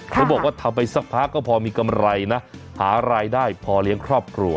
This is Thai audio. เขาบอกว่าทำไปสักพักก็พอมีกำไรนะหารายได้พอเลี้ยงครอบครัว